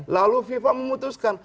lalu fifa memutuskan